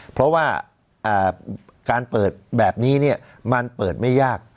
เพราะว่าการเปิดแบบนี้มันเปิดไม่ยาก